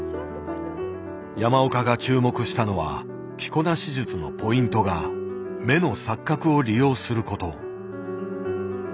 山岡が注目したのは着こなし術のポイントが「目の錯覚」を利用すること。